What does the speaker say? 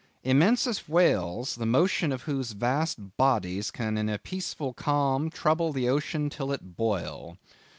"Immense as whales, the motion of whose vast bodies can in a peaceful calm trouble the ocean till it boil."